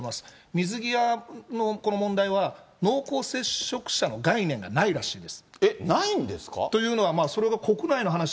水際のこの問題は濃厚接触者の概念がないらしいです。